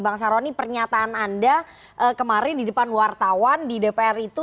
bang saroni pernyataan anda kemarin di depan wartawan di dpr itu